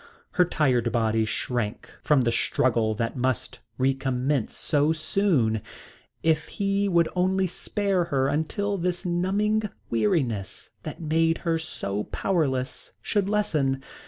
Her tired body shrank from the struggle that must recommence so soon. If he would only spare her until this numbing weariness that made her so powerless should lessen.